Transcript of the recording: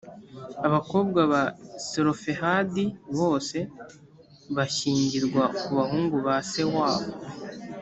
abakobwa ba selofehadi bose, bashyingirwa ku bahungu ba se wabo.